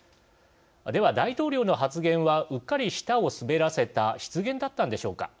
では、大統領の発言はうっかり舌を滑らせた失言だったんでしょうか。